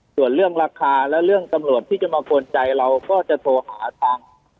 ส่วนเรื่องราคาและเรื่องตำรวจที่จะมากวนใจเราก็จะโทรหาทาง